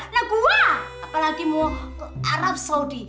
nah gua apalagi mau ke arab saudi